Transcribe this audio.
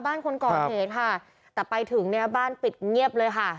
คนก่อเหตุค่ะแต่ไปถึงเนี่ยบ้านปิดเงียบเลยค่ะ